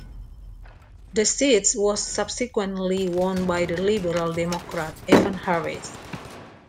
The seat was subsequently won by the Liberal Democrat Evan Harris.